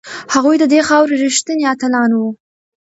هغوی د دې خاورې ریښتیني اتلان وو.